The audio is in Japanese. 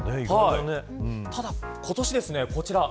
ただ今年、こちら。